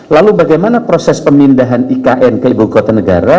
lalu bagaimana proses pemindahan ikn ke ibu kota negara